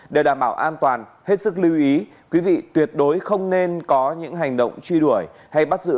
để đảm bảo an toàn hết sức lưu ý quý vị tuyệt đối không nên có những hành động truy đuổi hay bắt giữ